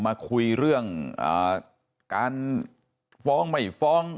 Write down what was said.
มาคุยเรื่องการฟ้องไม่ฟ้อง